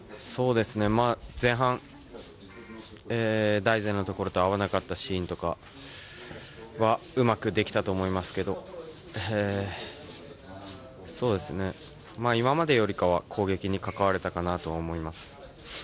前半、大然のところと合わなかったシーンとかはうまくできたと思いますが今までよりかは攻撃に関われたかなと思います。